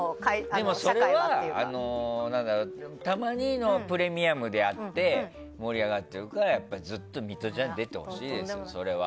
でもそれはたまにのプレミアムであって盛り上がっているからずっとミトちゃんに出てほしいですよ、それは。